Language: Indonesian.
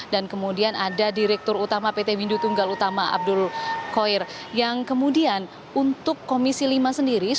kemudian ada direktur utama pt windu tunggal utama abdul koir yang kemudian untuk komisi lima sendiri